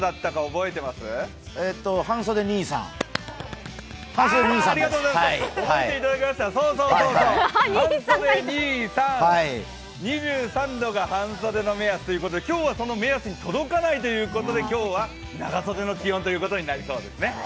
覚えていただきました、そうそう、半袖兄さん、２３度が半袖の目安ということで、今日はその目安に届かないということで、今日は長袖の気温ということになりそうですね。